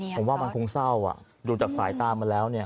ผมว่ามันคงเศร้าดูจากสายตามาแล้วเนี่ย